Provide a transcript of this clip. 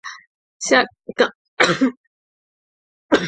下岗再南坎沿遗址的历史年代为唐汪式。